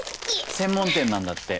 専門店なんだって。